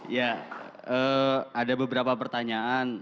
ya ada beberapa pertanyaan